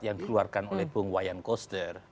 yang dikeluarkan oleh bung wayan koster